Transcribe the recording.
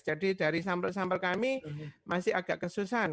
jadi dari sampel sampel kami masih agak kesusahan